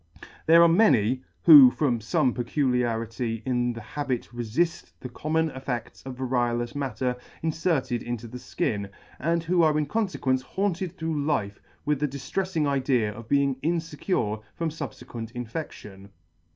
There are many, who from fome peculiarity in the habit refill; the common effects of variolous matter inferted into the Ikin, and who are in confequence haunted through life with the dillrefling idea of being infecure from fubfequent infection.